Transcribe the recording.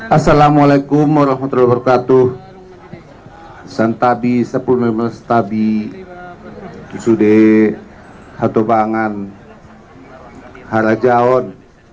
assalamualaikum warahmatullahi wabarakatuh santabi sepuluh sepuluh tabi sudah atau pangan harajaon